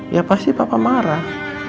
ya pasti bapak marah